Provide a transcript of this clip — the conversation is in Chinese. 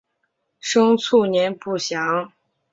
生卒年不详。